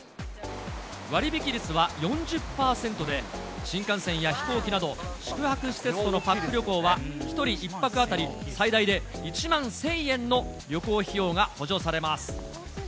割引率は４０％で、新幹線や飛行機など、宿泊施設とのパック旅行は、１人１泊当たり、最大で１万１０００円の旅行費用が補助されます。